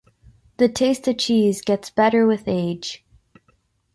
The taste of cheese gets better with age.